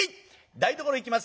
台所へ行きます